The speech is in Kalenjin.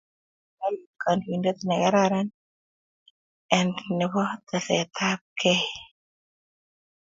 Kimoche serkalit kandoindet ne kararan and nebo tesetait abkei